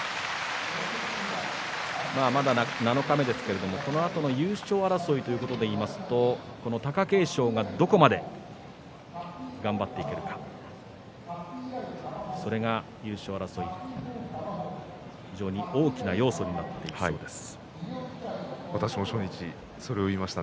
まだ七日目ですがこのあとの優勝争いということで言いますと貴景勝がどこまで頑張っていけるかそれが優勝争いの大きな要素になってきます。